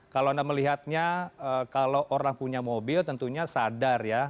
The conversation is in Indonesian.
kalau anda melihatnya kalau orang punya mobil tentunya sadar ya